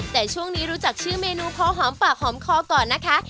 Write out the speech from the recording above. แต่ช่วงนี้รู้จักชื่อเมนูพอหอมปากหอมคอก่อนนะคะ